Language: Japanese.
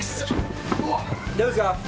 大丈夫ですか？